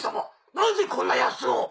なぜこんなヤツを！